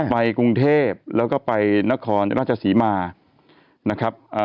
ไปกรุงเทพแล้วก็ไปนครราชศรีมานะครับ